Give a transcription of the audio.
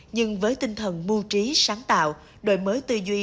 nhưng với tinh thần mu trí sáng tạo đội mới tư duy